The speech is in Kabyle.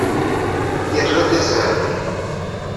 Yerra-d azal.